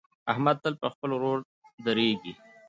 احمد تل پر خپل ورور درېږي.